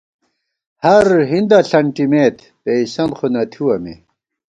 ہر ہِندہ ݪَنٹِمېت ، پېئیسَن خو نہ تھِوَہ مے